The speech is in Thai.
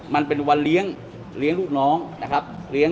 มันเป็นวันเลี้ยงลูกน้องนะครับ